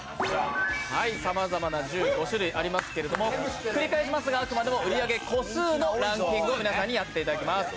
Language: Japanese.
さまざまな１５種類ありますけれども繰り返しますが、あくまでも売り上げ個数のランキングを皆さんに当てていただきます。